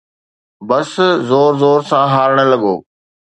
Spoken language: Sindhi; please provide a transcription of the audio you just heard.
بس زور زور سان هارڻ لڳو